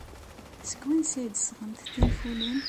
Seg wansi ara d-tesɣemt tinfulin?